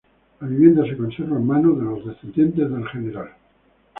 La vivienda se conserva en manos de los descendientes del Gral.